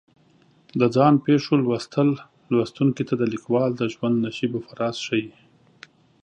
د ځان پېښو لوستل لوستونکي ته د لیکوال د ژوند نشیب و فراز ښیي.